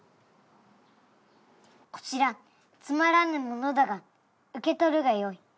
こちらつまらぬ物だが受け取るがよい。